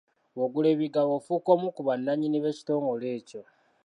Bw'ogula emigabo ofuuka omu ku bannannyini b'ekitongole ekyo.